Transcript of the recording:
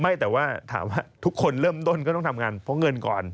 ไม่แต่ว่าถามว่าทุกคนเริ่มต้นก็ต้องทำงานเพราะเงินก่อน